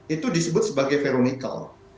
itu disebut sebagai ferronikel